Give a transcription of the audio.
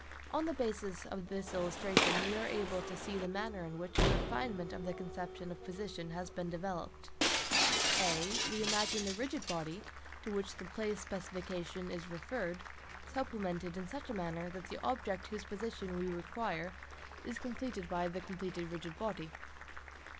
On the basis of this illustration, we are able to see the manner in which a refinement of the conception of position has been developed. (a) We imagine the rigid body, to which the place specification is referred, supplemented in such a manner that the object whose position we require is reached by. the completed rigid body.